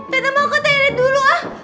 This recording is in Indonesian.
tata mau ke toilet dulu ah